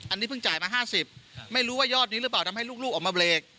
อันนี้เพิ่งจ่ายมา๕๐ไม่รู้ว่ายอดนี้หรือเปล่าทำให้ลูกออกมาเบรก